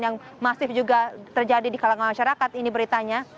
yang masih juga terjadi di kalangan masyarakat ini beritanya